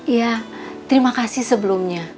iya terima kasih sebelumnya